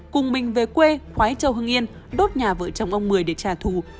cùng mình về quê khoái châu hưng yên đốt nhà vợ chồng ông một mươi để trả thù